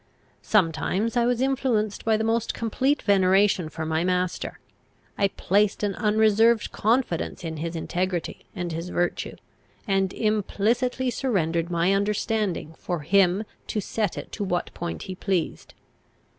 Sometimes I was influenced by the most complete veneration for my master; I placed an unreserved confidence in his integrity and his virtue, and implicitly surrendered my understanding for him to set it to what point he pleased.